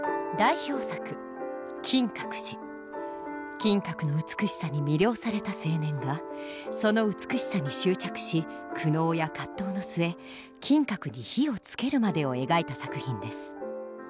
金閣の美しさに魅了された青年がその美しさに執着し苦悩や葛藤の末金閣に火をつけるまでを描いた作品です。